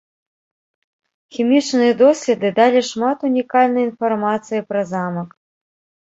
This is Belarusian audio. Хімічныя доследы далі шмат унікальнай інфармацыі пра замак.